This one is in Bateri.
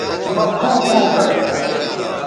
مہ کھوں پوں کش